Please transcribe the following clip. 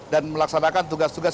dan melaksanakan tugas tugas